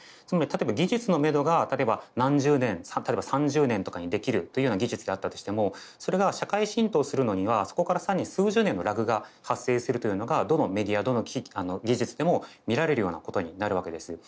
つまり例えば技術のめどが立てば何十年例えば３０年とかにできるというような技術であったとしてもそれが社会浸透するのにはそこから更に数十年のラグが発生するというのがどのメディアどの技術でも見られるようなことになるわけです。